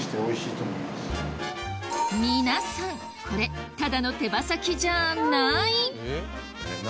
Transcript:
これただの手羽先じゃない！